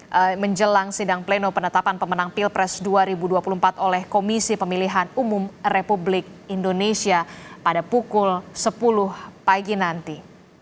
kemudian menjelang sidang pleno penetapan pemenang pilpres dua ribu dua puluh empat oleh komisi pemilihan umum republik indonesia pada pukul sepuluh pagi nanti